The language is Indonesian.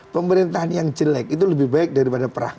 pemerintahan yang jelek itu lebih baik daripada perang